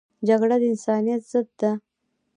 جګړه د انسانیت ضد ده